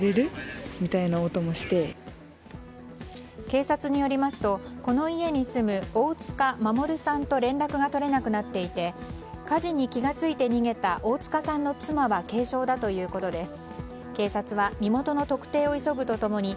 警察によりますとこの家に住む大塚守さんと連絡が取れなくなっていて火事に気が付いて逃げた大塚さんの妻は軽傷だということです。